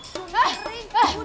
sia mau takut